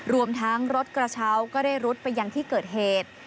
รวมทั้งรถกระเช้าก็ได้รุดไปยังที่เกิดเหตุ